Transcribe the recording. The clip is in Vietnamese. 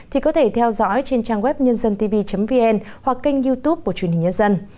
thì có thể theo dõi trên trang web nhân dân tivi vn hoặc kênh youtube của truyền hình nhân dân